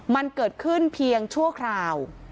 มันเกิดขึ้นเพียงชั่วคราว